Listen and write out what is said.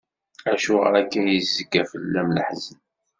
Acuɣer akka yezga fell-am leḥzen?